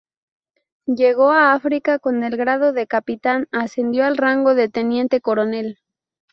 Llegó a África con el grado de capitán, ascendió al rango de teniente coronel.